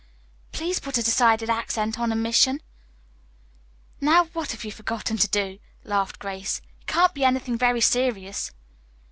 Please put a decided accent on omission." "Now what have you forgotten to do?" laughed Grace. "It can't be anything very serious."